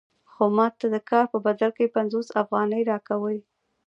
خو ماته د کار په بدل کې پنځوس افغانۍ راکوي